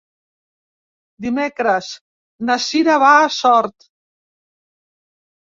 Dimecres na Sira va a Sort.